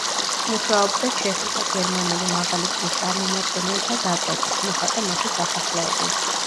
მუშაობდა ჩეხი და გერმანელი მაღალი წრის წარმომადგენელთა დაკვეთით, მოხატა მათი სასახლეები.